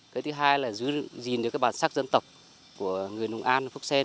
cái thứ hai là giữ gìn được cái bản sắc dân tộc của người nông an phúc xen